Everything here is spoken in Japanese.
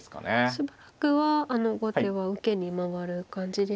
しばらくは後手は受けに回る感じでしょうか。